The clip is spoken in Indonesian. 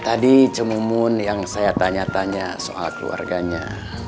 tadi cemumun yang saya tanya tanya soal keluarganya